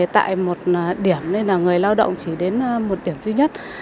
tại một điểm nên là người lao động chỉ đến một điểm duy nhất